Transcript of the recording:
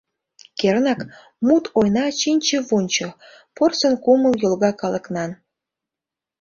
Кернак, мут-ойна чинче-вунчо, Порсын кумыл йолга калыкнан.